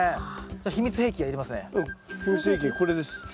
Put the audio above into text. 秘密兵器がいりますね。